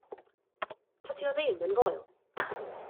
Tydi o ddim yn foel.